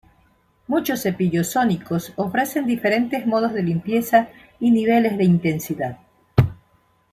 Muchos cepillos sónicos ofrecen diferentes modos de limpieza y niveles de intensidad.